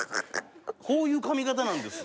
こういう髪形なんです。